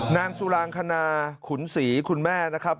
นางสุรางคณาขุนศรีคุณแม่นะครับ